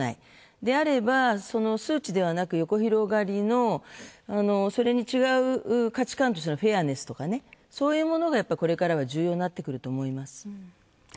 であれば数値ではなく、横広がりのそれと違う価値観のフェアネスとかそういうものがこれからは重要になってくると思います。